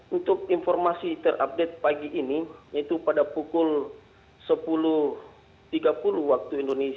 untuk informasi terupdate pagi ini yaitu pada pukul sepuluh tiga puluh waktu indonesia